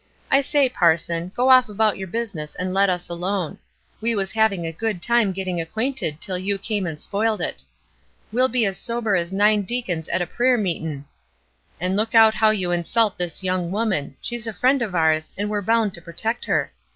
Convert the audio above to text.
I say, Parson, go off about your business and let us alone. We was having a good time getting acquainted till you come and spoiled it. We'll be as sober as nine deacons at a prayer meetin'. And look out how you insult this young woman; she's a friend of ours, and we're bound to protect her.